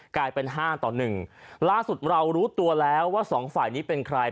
กลายเป็นห้าต่อหนึ่งล่าสุดเรารู้ตัวแล้วว่าสองฝ่ายนี้เป็นใคร